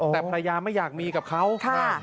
แต่ภรรยาไม่อยากมีกับเขาค่ะ